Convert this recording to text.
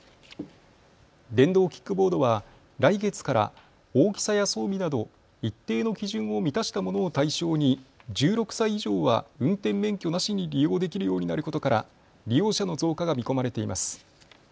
電動キックボードは来月から大きさや装備など一定の基準を満たしたものを対象に１６歳以上は運転免許なしに利用できるようになることから利用者の増加が見込まれています。